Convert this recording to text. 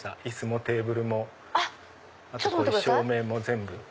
椅子もテーブルも照明も全部。